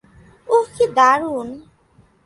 উহ, কী দারুণ!